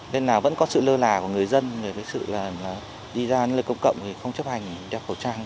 nên là vẫn có sự lơ là của người dân với sự là đi ra nơi công cộng thì không chấp hành đeo khẩu trang